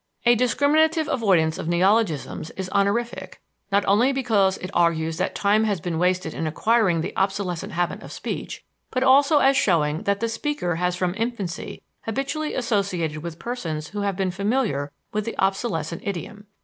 A discriminative avoidance of neologisms is honorific, not only because it argues that time has been wasted in acquiring the obsolescent habit of speech, but also as showing that the speaker has from infancy habitually associated with persons who have been familiar with the obsolescent idiom.